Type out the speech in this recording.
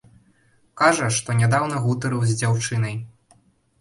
Кажа, што нядаўна гутарыў з дзяўчынай.